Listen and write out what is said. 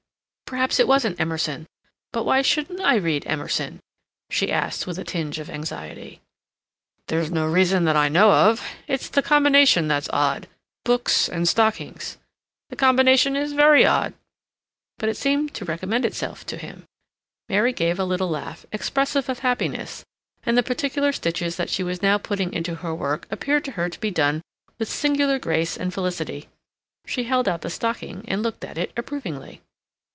"Perhaps it wasn't Emerson; but why shouldn't I read Emerson?" she asked, with a tinge of anxiety. "There's no reason that I know of. It's the combination that's odd—books and stockings. The combination is very odd." But it seemed to recommend itself to him. Mary gave a little laugh, expressive of happiness, and the particular stitches that she was now putting into her work appeared to her to be done with singular grace and felicity. She held out the stocking and looked at it approvingly.